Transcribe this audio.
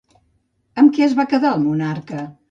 Amb què es va quedar el monarca?